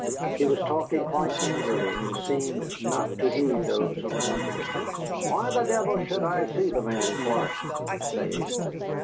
He was talking quite angrily, and seemed not to heed those around him. "Why the devil should I see the man, Clark?" he was saying.